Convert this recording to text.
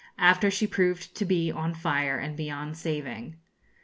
after she proved to be on fire and beyond saving.